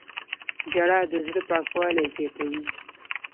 • ژړا د زړه پاکوالی زیاتوي.